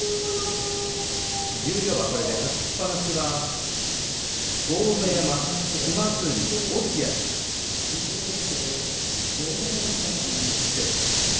十両はこれで勝ちっぱなしは豪ノ山、島津海、落合です。